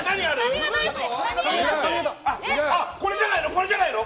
これじゃないの？